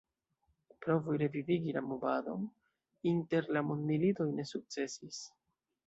Provoj revivigi la movadon inter la Mondmilitoj ne sukcesis.